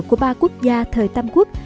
của ba quốc gia thời tam quốc